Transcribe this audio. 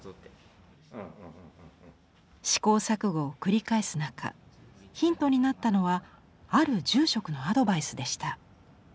試行錯誤を繰り返す中ヒントになったのはある住職のアドバイスでした。